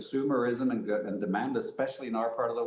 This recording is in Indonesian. saya sangat bersemangat tentang indonesia